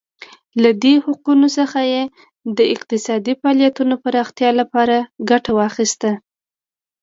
له دې حقونو څخه یې د اقتصادي فعالیتونو پراختیا لپاره ګټه واخیسته.